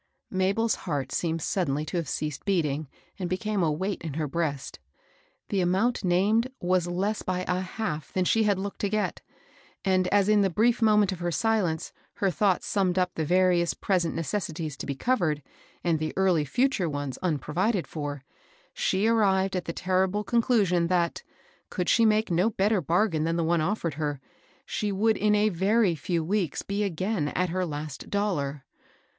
Mabel's heart seemed suddenly to have ceased beating, and became a weight in her breast. The amomit named was less by a half than she had looked to get, and as in the brief moment of her silence her thoughts summed up the various present necessities to be covered, and the early fii ture ones unprovided for, she arrived at the terrible conclusion that, could she make no better bargain than the one offered her, she would in a very few weeks be again at her last dollar.